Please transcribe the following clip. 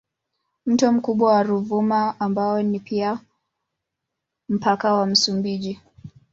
Mto mkubwa ni Ruvuma ambao ni pia mpaka wa Msumbiji.